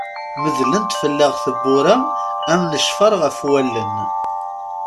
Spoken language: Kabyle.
Neddlent fell-aɣ tewwura am lecfar ɣef wallen.